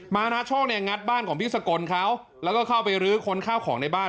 มานาช่องเนี่ยงัดบ้านของพี่สกลเขาแล้วก็เข้าไปรื้อคนข้าวของในบ้าน